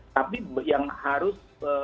tapi yang harus